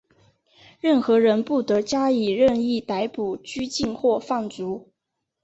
任何人不得加以任意逮捕、拘禁或放逐。